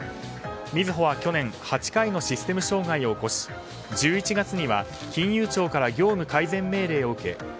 みずほは去年８回のシステム障害を起こし１１月には金融庁から業務改善命令を受け